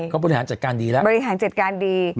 เขาบริหารจัดการดีแล้วบริหารจัดการดี